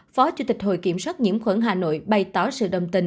phó chủ tịch hội kiểm soát nhiễm khuẩn hà nội bày tỏ sự đồng tình